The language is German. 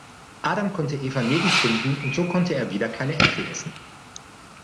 Adam konnte Eva nirgends finden und so konnte er wieder keine Äpfel essen.